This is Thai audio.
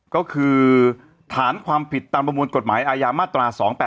ก็คือฐานความผิดตามประมวลกฎหมายอาญามาตรา๒๘๘